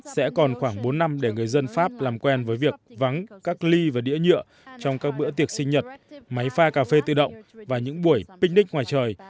sẽ còn khoảng bốn năm để người dân pháp làm quen với việc vắng các ly và đĩa nhựa trong các bữa tiệc sinh nhật máy pha cà phê tự động và những buổi pic đích ngoài trời